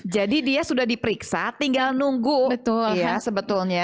jadi dia sudah diperiksa tinggal nunggu ya sebetulnya